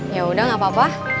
ya udah gak apa apa